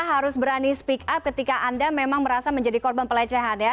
harus berani speak up ketika anda memang merasa menjadi korban pelecehan ya